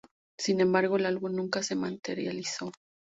Sin embargo, el álbum nunca se materializó.